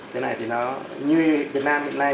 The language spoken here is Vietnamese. thế này thì nó như việt nam hiện nay